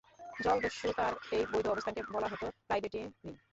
জলদস্যুতার এই বৈধ অবস্থানকে বলা হতো প্রাইভেটেরিং।